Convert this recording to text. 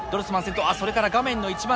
それから画面の一番手前